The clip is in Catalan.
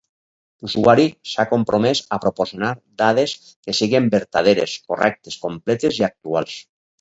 L'usuari s'ha compromès a proporcionar dades que siguin vertaderes, correctes, completes i actuals.